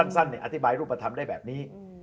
สั้นอธิบายรูปธรรมได้แบบนี้